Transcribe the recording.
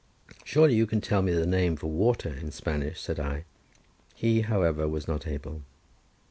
"Surely you can tell me the word for water in Spanish," said I; he, however, was not able.